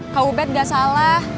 kak ubed gak salah